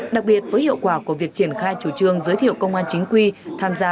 đặc biệt với hiệu quả của việc triển khai chủ trương giới thiệu công an chính quy tham gia